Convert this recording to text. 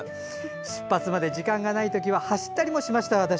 出発まで時間がない時は走ったりもしました。